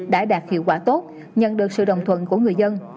đã đạt hiệu quả tốt nhận được sự đồng thuận của người dân